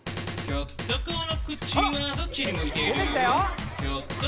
「ひょっとこの口はどっちに向いている？」